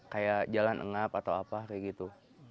kayak jalan ngap atau apa kayak gitu